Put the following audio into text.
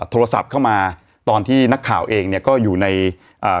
โทรศัพท์เข้ามาตอนที่นักข่าวเองเนี่ยก็อยู่ในอ่า